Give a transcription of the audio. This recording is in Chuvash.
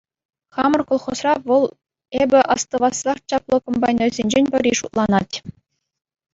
Хамӑр колхозра вӑл эпӗ астӑвассах чаплӑ комбайнерсенчен пӗри шутланать.